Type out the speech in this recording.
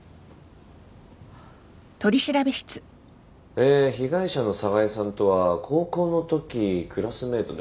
えー被害者の寒河江さんとは高校のときクラスメートで。